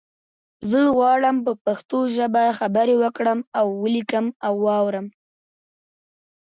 زه غواړم په پښتو ژبه خبری وکړم او ولیکم او وارم